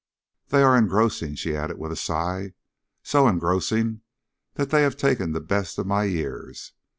"They are engrossing," she added with a sigh, "so engrossing that they have taken the best of my years.